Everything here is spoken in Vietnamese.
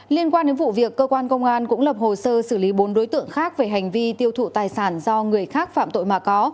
liên quan đến vụ việc cơ quan công an cũng lập hồ sơ xử lý bốn đối tượng khác về hành vi tiêu thụ tài sản do người khác phạm tội mà có